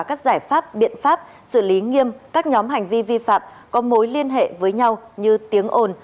các giải pháp biện pháp xử lý nghiêm các nhóm hành vi vi phạm có mối liên hệ với nhau như tiếng ồn